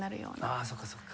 ああそうかそうか。